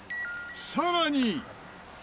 さらに。